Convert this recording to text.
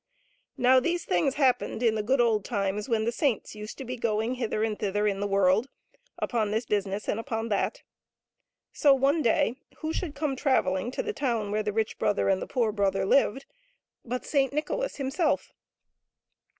Now these things happened in the good old times when the saints used to be going hither and thither in the world upon this business and upon that. So one day, who should come travelling to the town where the rich brother and the poor brother lived, but Saint Nicholas himself.